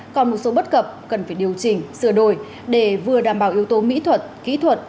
còn một số bất cập cần phải điều chỉnh sửa đổi để vừa đảm bảo yếu tố mỹ thuật kỹ thuật